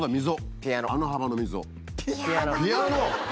ピアノね。